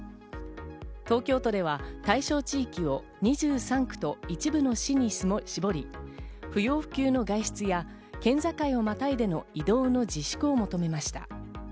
東京都では対象地域を２３区と一部の市に絞り、不要不急の外出や県境をまたいでの移動の自粛を求めました。